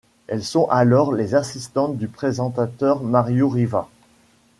Elles sont alors les assistantes du présentateur Mario Riva.